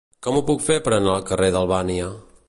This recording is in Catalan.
Com ho puc fer per anar al carrer d'Albània?